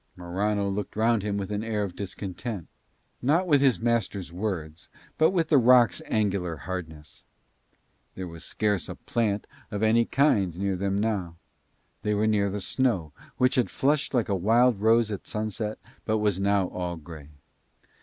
Morano looked round him with an air of discontent, not with his master's words but with the rocks' angular hardness. There was scarce a plant of any kind near them now. They were near the snow, which had flushed like a wild rose at sunset but was now all grey.